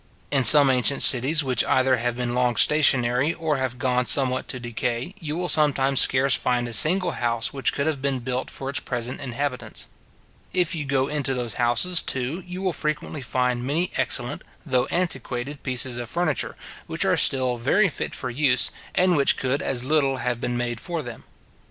In some ancient cities, which either have been long stationary, or have gone somewhat to decay, you will sometimes scarce find a single house which could have been built for its present inhabitants. If you go into those houses, too, you will frequently find many excellent, though antiquated pieces of furniture, which are still very fit for use, and which could as little have been made for them.